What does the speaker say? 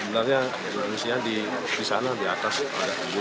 makanya kita bawa ke gunung di kondisi yang tetap orang banyak